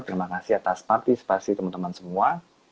terima kasih atas partisipasi teman teman semua